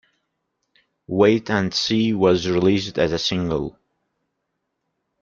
"Wait and See" was released as a single.